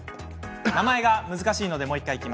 名前が難しいので、もう１回。